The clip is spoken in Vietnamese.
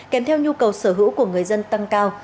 kèm theo nhu cầu sở hữu của người dân tăng cao